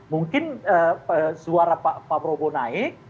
mungkin suara pak prabowo naik